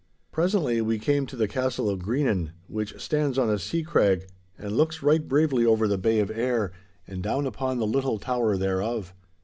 Presently we came to the castle of Greenan, which stands on a sea crag, and looks right bravely over the Bay of Ayr and down upon the little town thereof.